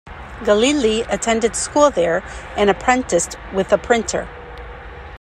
Galili attended school there and apprenticed with a printer.